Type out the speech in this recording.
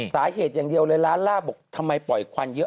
สาเหตุอย่างเดียวเลยร้านล่าบอกทำไมปล่อยควันเยอะ